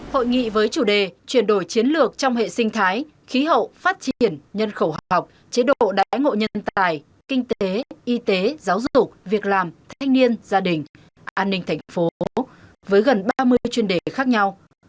hội nghị với chủ đề chuyển đổi chiến lược trong hệ sinh thái khí hậu phát triển nhân khẩu học chế độ đái ngộ nhân tài kinh tế y tế giáo dục việc làm thanh niên gia đình an ninh thành phố với gần ba mươi chuyên đề khác nhau